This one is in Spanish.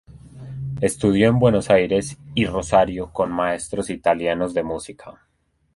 Estudió en Buenos Aires y Rosario con maestros italianos de música.